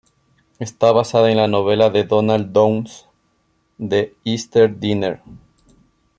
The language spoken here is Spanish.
Está basada en la novela de Donald Downes "The Easter Dinner".